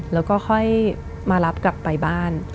แล้วก็ค่อยมารับกลับไปบ้าน